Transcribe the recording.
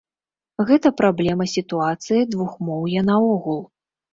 Гэта праблема сітуацыі двухмоўя наогул.